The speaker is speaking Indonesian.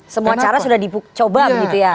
semua cara sudah dicoba begitu ya